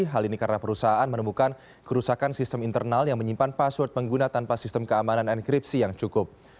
hal ini karena perusahaan menemukan kerusakan sistem internal yang menyimpan password pengguna tanpa sistem keamanan enkripsi yang cukup